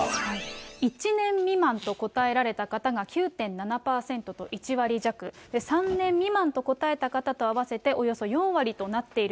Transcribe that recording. １年未満と答えられた方が９．７％と１割弱、３年未満と答えた方と合わせておよそ４割となっている。